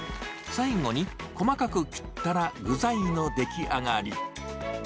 最後に、細かく切ったら具材の出来上がり。